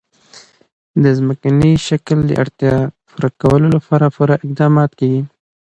د ځمکني شکل د اړتیاوو پوره کولو لپاره پوره اقدامات کېږي.